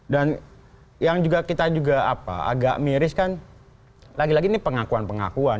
dan yang kita juga agak miris kan lagi lagi ini pengakuan pengakuan